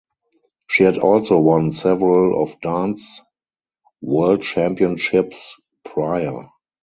She had also won several of dance world championships prior.